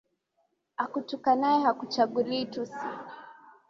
Akutukanae hakuchagulii tusi